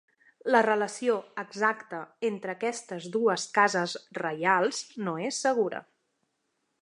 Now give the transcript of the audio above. La relació exacta entre aquestes dues cases reials no és segura.